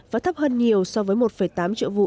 và thấp hơn nhiều so với một tám triệu vụ